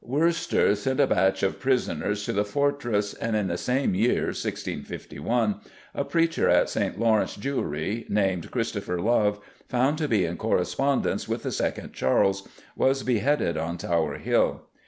Worcester fight sent a batch of prisoners to the fortress, and in the same year (1651), a preacher at St. Lawrence Jewry, named Christopher Love, found to be in correspondence with the second Charles, was beheaded on Tower Hill.